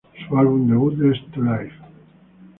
Su álbum debut es "To Life!